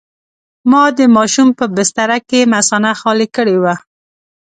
ما د ماشوم په بستره کې مثانه خالي کړې وه.